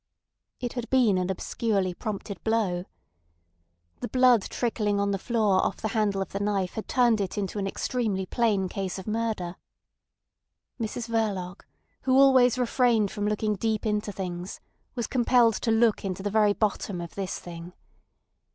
It had been an obscurely prompted blow. The blood trickling on the floor off the handle of the knife had turned it into an extremely plain case of murder. Mrs Verloc, who always refrained from looking deep into things, was compelled to look into the very bottom of this thing.